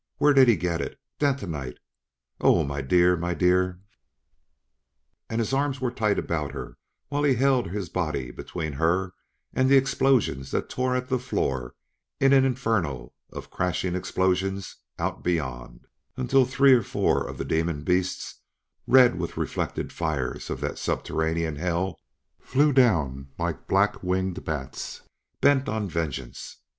Where did he get it?... Detonite!... Oh, my dear my dear!" And his arms were tight about her while he held his body between her and the explosions that tore at the floor in an inferno of crashing explosions out beyond until three of the demon beasts, red with the reflected fires of that subterranean hell, flew down like black winged bats bent on vengeance.